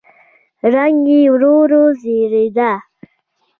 رنګ يې ورو ورو زېړېده.